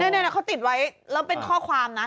นี่นะเขาติดไว้แล้วเป็นข้อความนะ